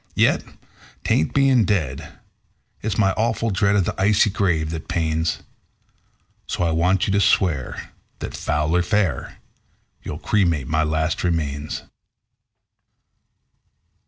Yet 'tain't being dead it's my awful dread of the icy grave that pains; So I want you to swear that, foul or fair, you'll cremate my last remains."